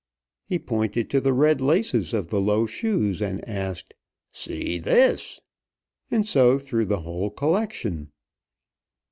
He pointed to the red laces of the low shoes and asked, "See this?" And so through the whole collection.